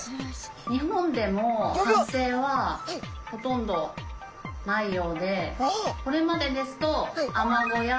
日本でも発生はほとんどないようでこれまでですとアマゴやニジマス